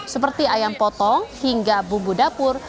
seperti ayam potong hingga bumbu dapur